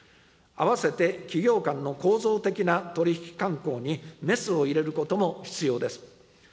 併せて、企業間の構造的な取り引き慣行にメスを入れることも必要です。